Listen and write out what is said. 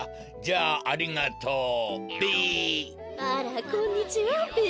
あらこんにちはべ。